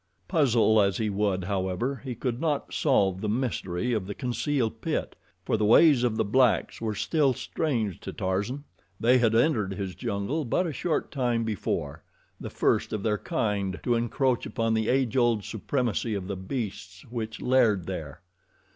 Puzzle as he would, however, he could not solve the mystery of the concealed pit, for the ways of the blacks were still strange ways to Tarzan. They had entered his jungle but a short time before the first of their kind to encroach upon the age old supremacy of the beasts which laired there.